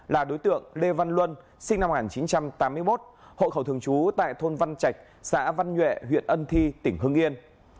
là đối tượng lê văn luân sinh năm một nghìn chín trăm tám mươi một hộ khẩu thường trú tại thôn văn trạch xã văn nhuệ huyện ân thi tỉnh hưng yên